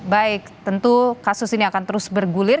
baik tentu kasus ini akan terus bergulir